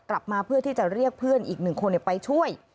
เพื่อที่จะเรียกเพื่อนอีกหนึ่งคนไปช่วย